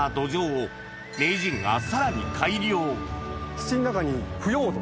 土の中に腐葉土。